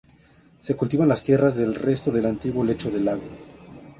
Se cultivan las tierras del resto del antiguo lecho de lago.